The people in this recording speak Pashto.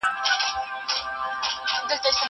زه بايد سندري واورم.